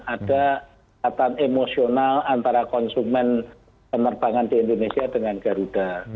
ada kata emosional antara konsumen penerbangan di indonesia dengan garuda